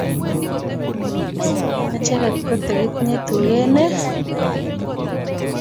acheket ko chekitinye tuget, nee!